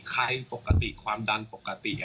ใครปกติความดันปกติ